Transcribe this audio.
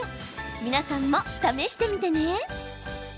皆さんも試してみてね。